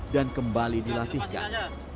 dan kembali dilatihkan